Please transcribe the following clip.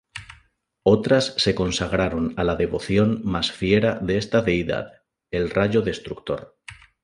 Otras se consagraron a la devoción más fiera de esta deidad: el rayo destructor.